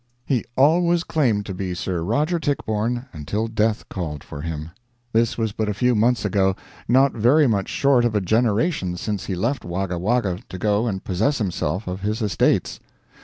He always claimed to be Sir Roger Tichborne until death called for him. This was but a few months ago not very much short of a generation since he left Wagga Wagga to go and possess himself of his estates.